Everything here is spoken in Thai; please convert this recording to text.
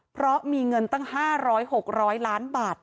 เพราะมีเงินตั้ง๕๐๐๖๐๐ล้านบาท